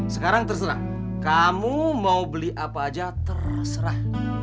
sekarang terserah kamu mau beli apa aja terserah